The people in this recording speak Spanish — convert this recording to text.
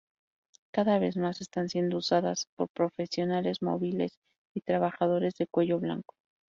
Cada vez más están siendo usadas por profesionales móviles y trabajadores de cuello blanco.